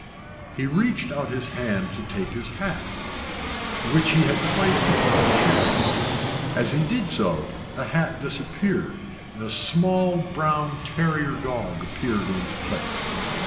He reached out his hand to take his hat, which he had placed upon a chair. As he did so, the hat disappeared, and a small brown terrier dog appeared in its place.